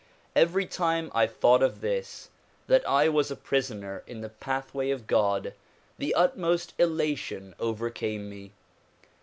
Every time I thought of this, that I was a prisoner in the pathway of God, the utmost elation overcame me.